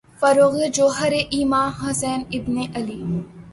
فروغِ جوہرِ ایماں، حسین ابنِ علی